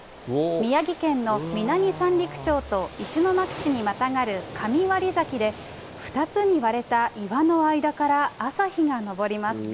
宮城県の南三陸町と石巻市にまたがる神割崎で２つに割れた岩の間から朝日が昇ります。